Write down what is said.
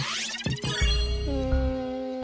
うん。